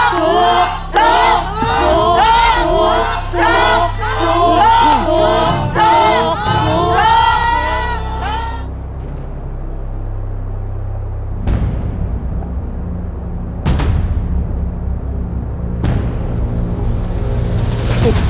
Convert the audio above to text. ทุกวันทุกวันทุกวันทุกวัน